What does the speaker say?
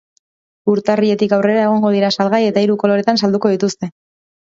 Urtarriletik aurrera egongo dira salgai eta hiru koloretan salduko dituzte.